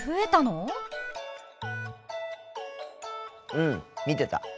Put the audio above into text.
うん見てた。